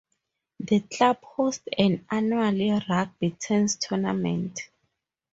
The club host an annual rugby Tens tournament.